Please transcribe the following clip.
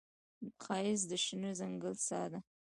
ښایست د شنه ځنګل ساه ده